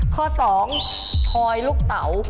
ข้อสองพอยลูกเตา